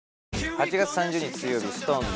８月３０日水曜日ＳｉｘＴＯＮＥＳ